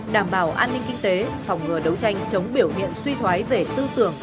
đảm bảo an ninh kinh tế phòng ngừa đấu tranh chống biểu hiện suy thoái về tư tưởng